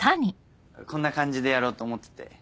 こんな感じでやろうと思ってて。